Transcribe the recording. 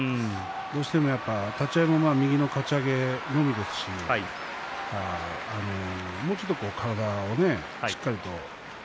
どうしても立ち合いも右のかち上げのみですしもう少し体をしっかりと。